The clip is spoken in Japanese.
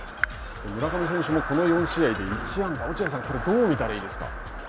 村上選手もこの４試合で１安打、落合さん、これはどう見たらいいですか。